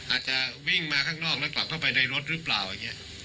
อาจจะวิ่งมาข้างนอกแล้วกลับเข้าไปในรถหรือเปล่าอย่างนี้